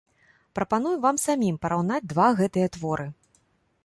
Прапануем вам самім параўнаць два гэтыя творы.